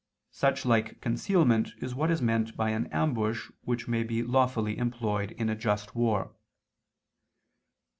Such like concealment is what is meant by an ambush which may be lawfully employed in a just war.